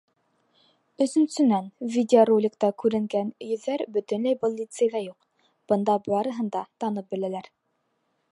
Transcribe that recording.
Өсөнсөнән, видеороликта күренгән йөҙҙәр бөтөнләй был лицейҙа юҡ, бында барыһын да танып беләләр.